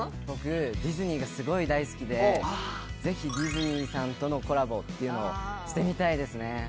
僕ディズニーがすごい大好きでぜひディズニーさんとのコラボっていうのをしてみたいですね。